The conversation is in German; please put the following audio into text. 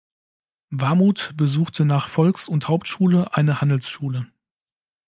Warmuth besuchte nach Volks- und Hauptschule eine Handelsschule.